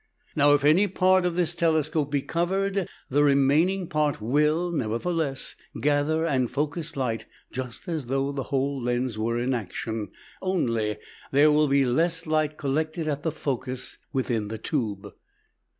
Now, if any part of this telescope be covered, the remaining part will, nevertheless, gather and focus light just as though the whole lens were in action; only, there will be less light collected at the focus within the tube.